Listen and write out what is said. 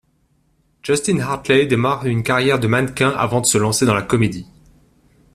Justin Hartley démarre une carrière de mannequin avant de se lancer dans la comédie.